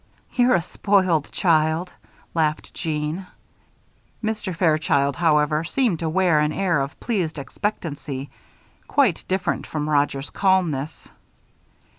"You're a spoiled child," laughed Jeanne. Mr. Fairchild, however, seemed to wear an air of pleased expectancy, quite different from Roger's calmness.